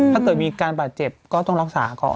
ถ้าเกิดมีการบาดเจ็บก็ต้องรักษาก่อน